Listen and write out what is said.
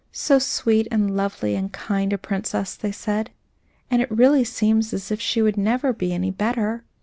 "So sweet and lovely and kind a princess!" they said; "and it really seems as if she would never be any better."